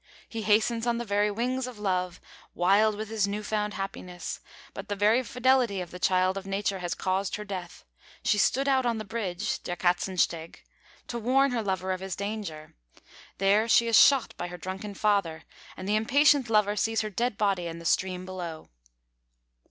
He hastens on the very wings of love, wild with his new found happiness. But the very fidelity of the child of nature has caused her death. She stood out on the bridge der Katzensteg to warn her lover of his danger. There she is shot by her drunken father, and the impatient lover sees her dead body in the stream below.